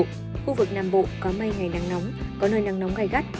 khu vực nam bộ có mây ngày nắng nóng có nơi nắng nóng gai gắt